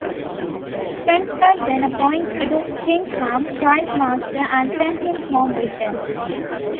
Trenchard then appointed Stingham prize-master and sent him home with them.